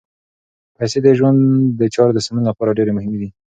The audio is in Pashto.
پیسې د ژوند د چارو د سمون لپاره ډېرې مهمې دي.